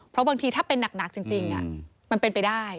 เพราะบางทีถ้าเป็นหนักจริงมันเป็นไปได้